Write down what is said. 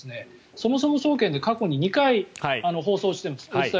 そもそも総研で過去に２回放送しています。